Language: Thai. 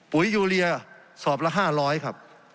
ุ๋ยยูเรียสอบละ๕๐๐ครับ